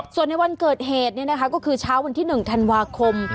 ส่วนในวันเกิดเหตุก็คือเช้าวันที่๑ธันวาคม